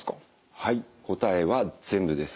はい答えは全部です。